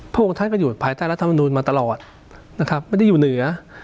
พวกท่านก็อยู่ภายใต้ลำนูนมาตลอดนะครับไม่ได้อยู่เหนือ